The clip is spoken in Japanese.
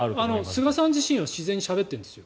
菅さん自身は自然にしゃべっているんです。